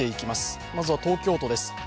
まずは東京都です。